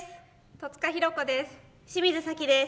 戸塚寛子です。